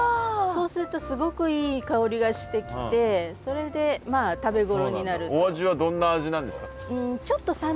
そうするとすごくいい香りがしてきてそれでまあ食べ頃になる。